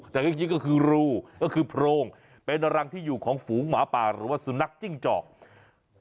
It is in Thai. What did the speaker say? แต่จริงก็คือรูก็คือโพรงเป็นรังที่อยู่ของฝูงหมาป่าหรือว่าสุนัขจิ้งจอก